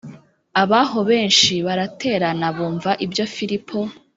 Ab aho benshi baraterana bumva ibyo Filipo